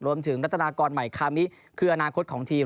รัฐนากรใหม่คามิคืออนาคตของทีม